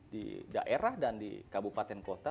di daerah dan di kabupaten kota